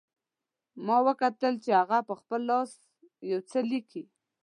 ما وکتل چې هغه په خپل لاس یو څه لیکي